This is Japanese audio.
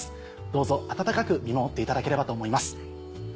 どうぞ温かく見守っていただければと思います。